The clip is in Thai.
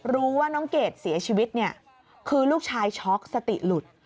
รู้ว่าน้องเกดเสียชีวิตเนี่ยคือลูกชายช็อกสติหลุด